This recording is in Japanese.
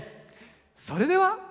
それでは。